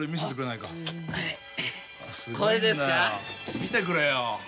見てくれよ。